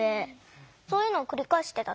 そういうのをくりかえしてた。